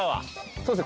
そうですね